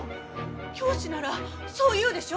教師ならそう言うでしょ？